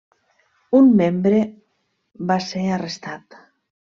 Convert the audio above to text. Un membre va ser arrestat.